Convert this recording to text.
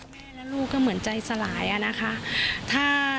แม่และลูกก็เหมือนใจสลายอะนะคะ